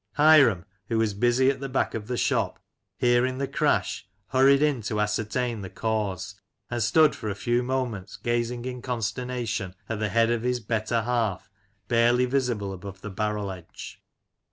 Hiram, who was busy at the back of the shop, hearing the crash, hurried in to ascertain the cause, and stood for a few moments gazing in consternation at the head of his better half barely visible above the barrel edge.